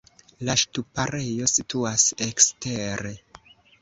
La ŝtuparejo situas ekstere.